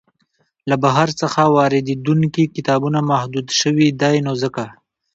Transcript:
له بهر څخه واریدیدونکي کتابونه محدود شوي دی نو ځکه.